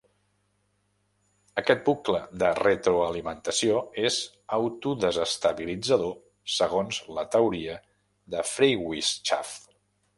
Aquest bucle de retroalimentació és "autodesestabilitzador", segons la teoria de Freiwirtschaft.